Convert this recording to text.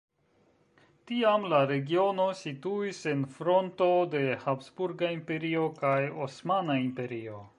Tiam la regiono situis en fronto de Habsburga Imperio kaj Osmana Imperio.